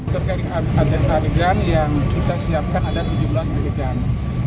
terkait adegan adegan yang kita siapkan ada tujuh belas adegan